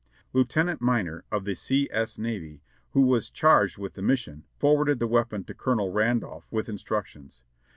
Lieuten ant Minor, of the C. S. Navy, who was charged with the mission^ forwarded the weapon to Colonel Randolph with instructions.